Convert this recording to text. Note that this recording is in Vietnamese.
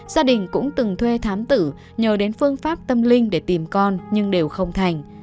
gia đình cũng từng thuê thám tử nhờ đến phương pháp tâm linh để tìm con nhưng đều không thành